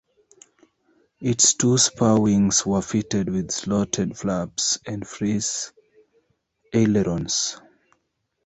Its two-spar wings were fitted with slotted flaps and Frise ailerons.